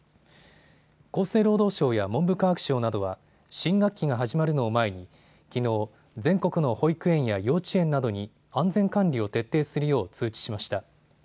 厚生労働省や文部科学省などは、新学期が始まるのを前に、きのう、全国の保育園や幼稚園などに安全管理を徹底するよう通知しました。